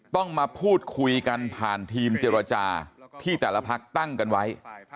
ต้องมาพูดคุยกันผ่านทีมเจรจาที่แต่ละพักตั้งกันไว้